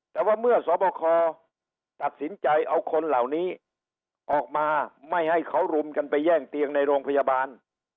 แต่ว่าเมื่อสอบคอตัดสินใจเอาคนเหล่านี้ออกมาไม่ให้เขารุมกันไปแย่งเตียงในโรงพยาบาล